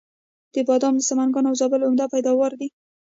بادام د سمنګان او زابل عمده پیداوار دی.